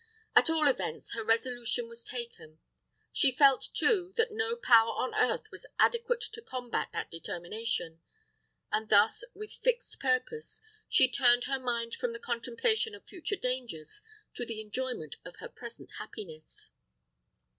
At all events, her resolution was taken: she felt, too, that no power on earth was adequate to combat that determination; and thus, with fixed purpose, she turned her mind from the contemplation of future dangers to the enjoyment of her present happiness.